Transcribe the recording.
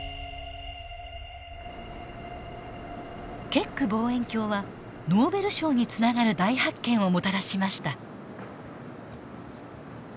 ケック望遠鏡はノーベル賞につながる大発見をもたらしました。